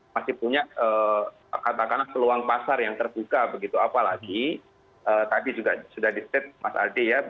masih punya katakanlah peluang pasar yang terbuka begitu apalagi tadi juga sudah di state mas aldi ya